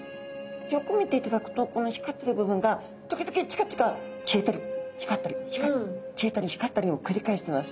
よく見ていただくとこの光ってる部分が時々チカチカ消えたり光ったりを繰り返してます。